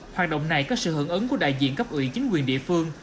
hoạt động này có sự hưởng ứng của đại diện cấp ủy chính quyền địa phương